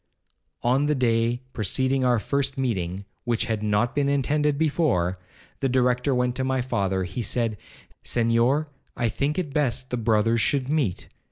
'On the day preceding our first meeting, (which had not been intended before), the Director went to my father; he said, 'Senhor, I think it best the brothers should meet.